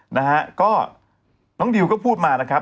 นะฮะก็น้องดิวก็พูดมานะครับ